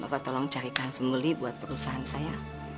bapak tolong carikan pembeli buat perusahaan saya